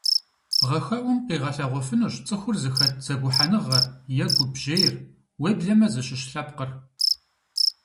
Бгъэхэӏум къигъэлъэгъуэфынущ цӏыхур зыхэт зэгухьэныгъэр е гупжьейр, уеблэмэ зыщыщ лъэпкъыр.